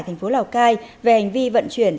thành phố lào cai về hành vi vận chuyển